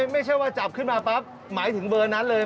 ไม่ใช่ว่าจับขึ้นมาปั๊บหมายถึงเบอร์นั้นเลย